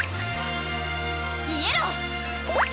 イエロー！